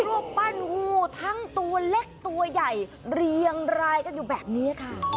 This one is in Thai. รูปปั้นงูทั้งตัวเล็กตัวใหญ่เรียงรายกันอยู่แบบนี้ค่ะ